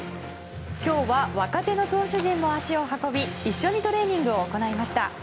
今日は若手の投手陣も足を運び一緒にトレーニングを行いました。